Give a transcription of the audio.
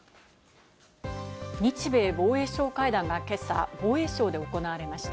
日米防衛相会談が今朝、防衛省で行われました。